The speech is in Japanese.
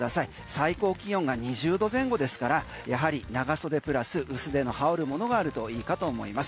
最高気温が２０度前後ですからやはり長袖プラス薄手の羽織るものがあるといいかと思います。